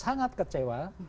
sudah sangat kecewa